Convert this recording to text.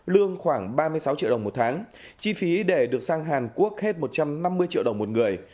lương khoảng ba mươi sáu triệu đồng một tháng chi phí để được sang hàn quốc hết một trăm năm mươi triệu đồng một người